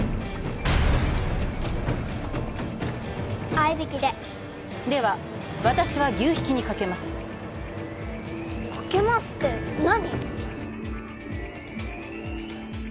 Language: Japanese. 合いびきででは私は牛ひきに賭けます賭けますって何？